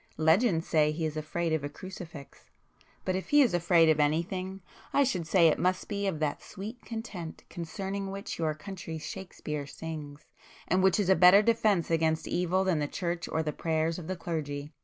Legends say he is afraid of a crucifix,—but if he is afraid of anything I should say it must be of that 'sweet content' concerning which your country's Shakespeare sings, and which is a better defence against evil than the church or the prayers of the clergy!